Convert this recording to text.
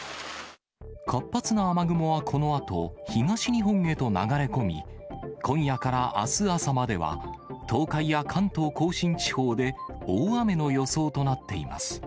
活発な雨雲はこのあと、東日本へと流れ込み、今夜からあす朝までは、東海や関東甲信地方で大雨の予想となっています。